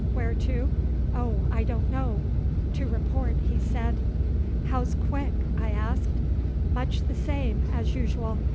Where to? Oh! I don't know; to report, he said." "How's Quick?" I asked. "Much the same as usual.